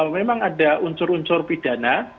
memang ada unsur unsur pidana